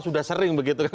sudah sering begitu kan